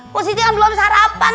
posisi kan belum sarapan